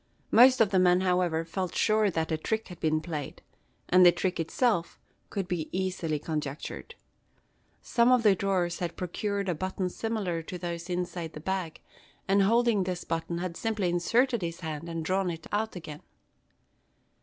Most of the men, however, felt sure that a trick had been played; and the trick itself could be easily conjectured. Some one of the drawers had procured a button similar to those inside the bag; and holding this button, had simply inserted his hand, and drawn it out again.